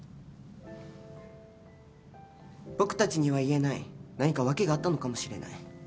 僕たちには言えない何か訳があったのかもしれない。